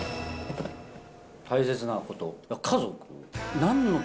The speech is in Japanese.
大切なこと。